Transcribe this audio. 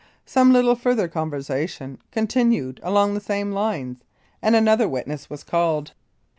Some little further conversation continued along the same lines, and another witness was called.